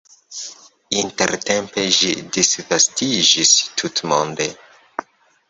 Intertempe ĝi disvastiĝis tutmonde.